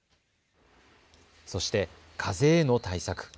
そして風への対策。